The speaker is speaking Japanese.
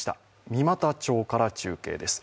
三股町から中継です。